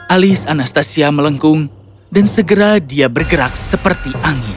alis anastasia melengkung dan segera dia bergerak seperti angin